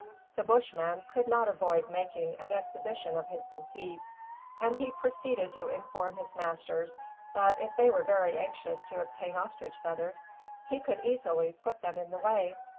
The Bushman could not avoid making an exhibition of his conceit, and he proceeded to inform his masters that if they were very anxious to obtain ostrich feathers, he could easily put them in the way.